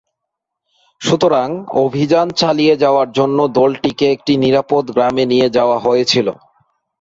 সুতরাং, অভিযান চালিয়ে যাওয়ার জন্য দলটিকে একটি নিরাপদ গ্রামে নিয়ে যাওয়া হয়েছিল।